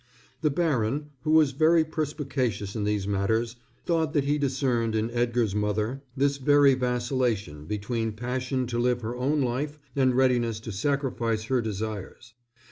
The baron, who was very perspicacious in these matters, thought that he discerned in Edgar's mother this very vacillation between passion to live her own life and readiness to sacrifice her desires.